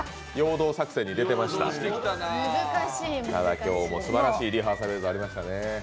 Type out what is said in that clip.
今日もすばらしいリハーサル映像ありましたね。